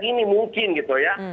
gini mungkin gitu ya